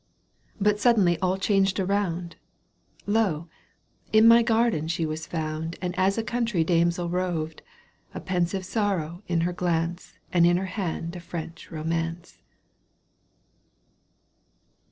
But suddenly aU changed around ! Lo ! in my garden was she found And as a country damsel roved, A pensive sorrow in her glance And in her hand a French romance.